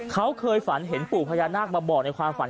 เขาเคยฝันเห็นปู่พญานาคมาบอกในความฝัน